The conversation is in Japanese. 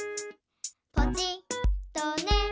「ポチッとね」